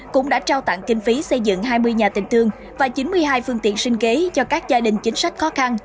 cũng đã trao tặng kinh phí xây dựng hai mươi nhà tình thương và chín mươi hai phương tiện sinh kế cho các gia đình chính sách khó khăn